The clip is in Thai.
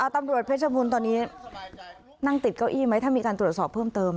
ตำรวจเพชรบูรณ์ตอนนี้นั่งติดเก้าอี้ไหมถ้ามีการตรวจสอบเพิ่มเติม